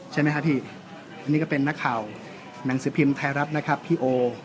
ใช่ไหมครับพี่อันนี้ก็เป็นนักข่าวหนังสือพิมพ์ไทยรัฐนะครับพี่โอ